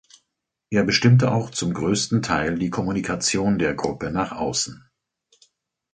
Er bestimmte auch zum größten Teil die Kommunikation der Gruppe nach außen.